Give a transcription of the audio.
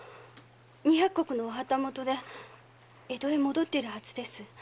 二百石のお旗本で江戸へ戻っているはずです。